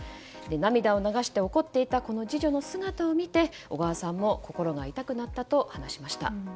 涙を流して怒っていた次女の姿を見て小川さんも心が痛くなったと話しました。